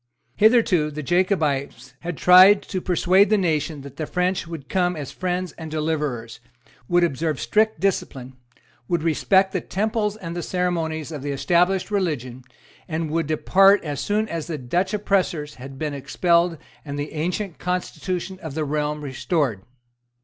Hitherto the Jacobites had tried to persuade the nation that the French would come as friends and deliverers, would observe strict discipline, would respect the temples and the ceremonies of the established religion, and would depart as soon as the Dutch oppressors had been expelled and the ancient constitution of the realm restored.